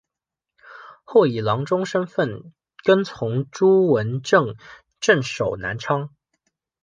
后以郎中身份跟从朱文正镇守南昌。